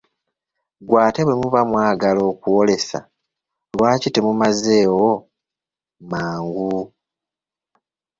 Ggwe ate bwe muba mwagala kw'olesa, lwaki temumazeewo mangu?